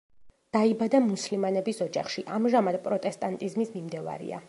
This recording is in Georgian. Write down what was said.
დაიბადა მუსლიმანების ოჯახში, ამჟამად პროტესტანტიზმის მიმდევარია.